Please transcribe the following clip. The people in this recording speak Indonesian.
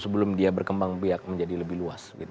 sebelum dia berkembang biak menjadi lebih luas